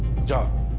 じゃあ。